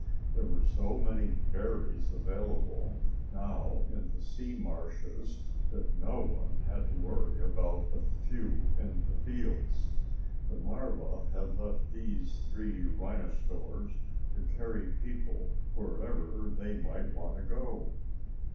There were so many berries available now in the sea marshes that no one had to worry about the few in the fields. The marva had left these three rhinosaurs to carry people wherever they might want to go.